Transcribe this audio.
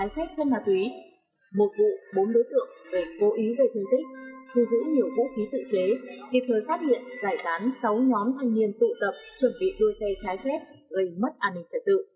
kịp thời phát hiện giải đán sáu nhóm hoành niên tụ tập chuẩn bị đua xe trái phép gây mất an ninh trật tự